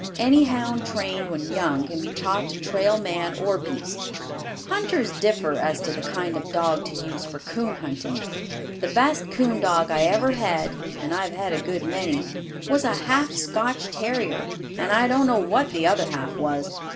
Any hound trained when young can be taught to trail man or beast. Hunters differ as to the kind of dog to use for coon hunting. The best coon dog I ever had (and I've had a good many) was a half Scotch terrier and I don't know what the other half was.